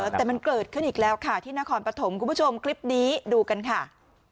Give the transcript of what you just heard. แต่มันเกิดขึ้นอีกแล้วค่ะที่นครปฐมคุณผู้ชมคลิปนี้ดูกันค่ะ